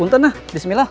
untun lah bismillah